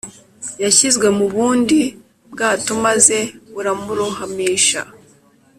Yashyizwe mu bundi bwato maze buramurohamisha